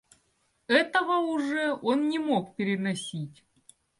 Этого уже он не мог переносить.